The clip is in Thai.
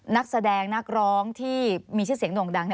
นักแสดงนักร้องที่มีชื่อเสียงโด่งดัง